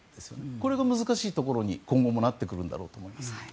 これが難しいところに今後もなってくると思います。